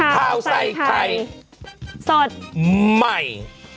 ข่าวใส่ไข่สดใหม่